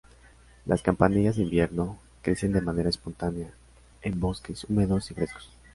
Las "campanillas de invierno" crecen de manera espontánea en bosques húmedos y frescos.